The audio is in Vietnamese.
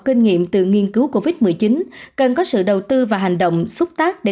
kinh nghiệm từ nghiên cứu covid một mươi chín cần có sự đầu tư và hành động xúc tác để